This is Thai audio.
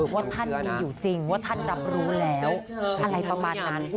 ว่าท่านมีอยู่จริงว่าท่านรับรู้แล้วอะไรประมาณนั้น